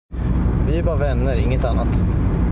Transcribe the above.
Vi är bara vänner, inget annat.